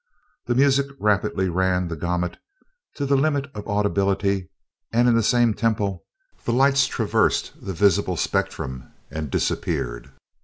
The music rapidly ran the gamut to the limit of audibility and, in the same tempo, the lights traversed the visible spectrum and disappeared.